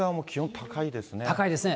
高いですね。